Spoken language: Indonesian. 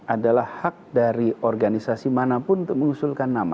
adalah hak dari organisasi manapun untuk mengusulkan nama